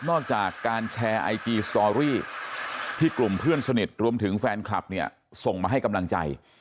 จากการแชร์ไอจีสตอรี่ที่กลุ่มเพื่อนสนิทรวมถึงแฟนคลับเนี่ยส่งมาให้กำลังใจ